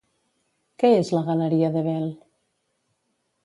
Què és la Galeria Debel?